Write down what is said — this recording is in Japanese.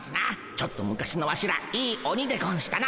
ちょっと昔のワシらいいオニでゴンシたな。